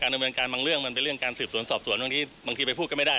ดำเนินการบางเรื่องมันเป็นเรื่องการสืบสวนสอบสวนบางทีไปพูดก็ไม่ได้